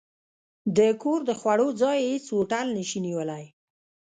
د کور د خوړو، ځای هېڅ هوټل نه شي نیولی.